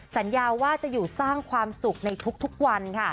สัญญาว่าจะอยู่สร้างความสุขในทุกวันค่ะ